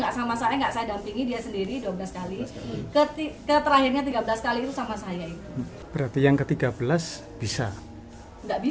lingkaran di xar crow dan terlalu banyak personal jika bahwa aku beneran bisa mem intervensi dengan